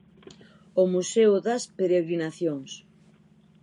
O Museo das Peregrinacións.